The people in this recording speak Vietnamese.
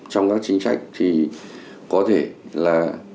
trong các chính sách thì có thể là